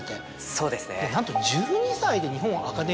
そうです。